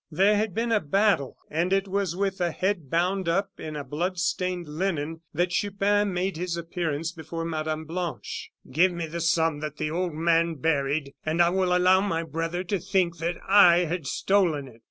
There had been a battle, and it was with a head bound up in a blood stained linen, that Chupin made his appearance before Mme. Blanche. "Give me the sum that the old man buried, and I will allow my brother to think that I had stolen it.